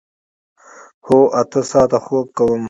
هو، اته ساعته خوب کوم